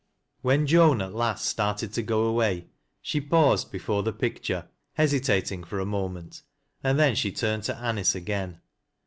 When Joan at last started to go away, she paused be fore the picture, hesitating for a moment, and then she turned to Anice again.